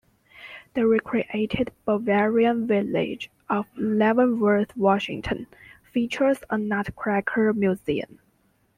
The recreated "Bavarian village" of Leavenworth, Washington, features a nutcracker museum.